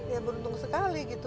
ya beruntung sekali gitu